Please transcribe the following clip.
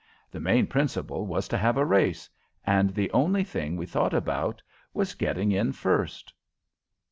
The main principle was to have a race, and the only thing we thought about was getting in first."